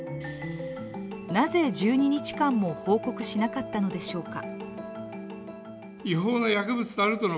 なぜ１２日間も報告しなかったのでしょうか。